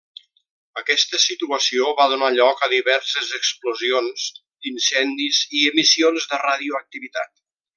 Aquesta situació va donar lloc a diverses explosions, incendis i emissions de radioactivitat.